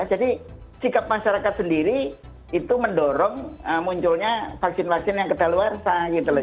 jadi sikap masyarakat sendiri itu mendorong munculnya vaksin vaksin yang kedaluarsa gitu loh